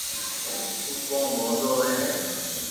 تو ڪون گوڌو ھوئي ھي